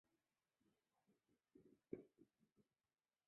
舒州宿松人。